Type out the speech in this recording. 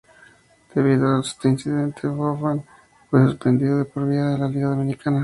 Debido a este incidente, "Offerman" fue suspendido de por vida de la "Liga Dominicana".